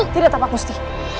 tidak tapan pusti